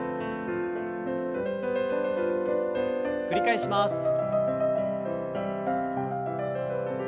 繰り返します。